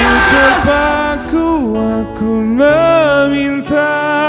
aku tembakku aku meminta